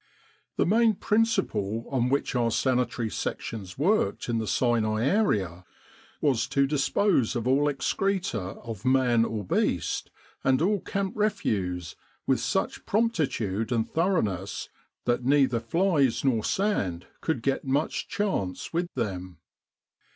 The main principle on which our Sanitary Sections worked in the Sinai area, was to dispose of all excreta of man or beast, and all camp refuse, with such promptitude and thoroughness that neither flies nor sand could get much chance with them.